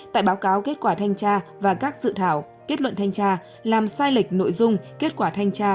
tại báo cáo kết quả thanh tra và các dự thảo kết luận thanh tra làm sai lệch nội dung kết quả thanh tra